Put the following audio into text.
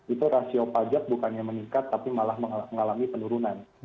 itu rasio pajak bukannya meningkat tapi malah mengalami penurunan